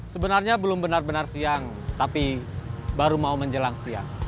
sebenarnya belum benar benar siang tapi baru mau menjelang siang